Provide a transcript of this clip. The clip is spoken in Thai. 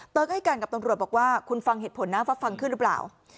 ให้การกับตำรวจบอกว่าคุณฟังเหตุผลนะว่าฟังขึ้นหรือเปล่า